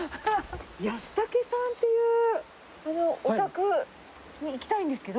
安武さんっていうお宅に行きたいんですけど。